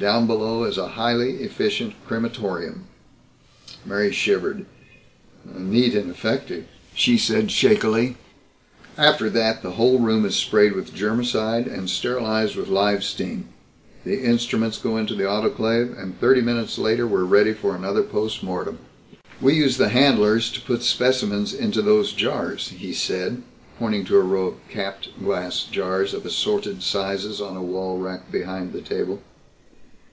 Down below is a highly efficient crematorium." Mary shivered. "Neat and effective," she said shakily. "After that the whole room is sprayed with germicide and sterilized with live steam. The instruments go into the autoclave, and thirty minutes later we're ready for another post mortem." "We use the handlers to put specimens into those jars," he said, pointing to a row of capped glass jars of assorted sizes on a wall rack behind the table.